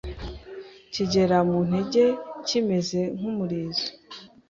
kigera mu ntege kimeze nk’umurizo,